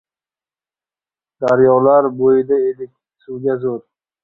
Daryolar bo‘yida edik suvga zor…